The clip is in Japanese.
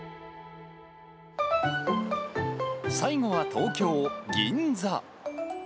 最後は東京・銀座。